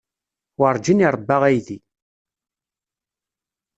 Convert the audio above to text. Werǧin iṛebba aydi.